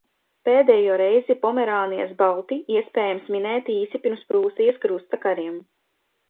Pēdējo reizi Pomerānijas balti, iespējams, minēti īsi pirms Prūsijas krusta kariem.